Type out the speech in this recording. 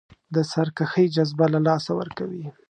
د سرکښۍ جذبه له لاسه ورکوي.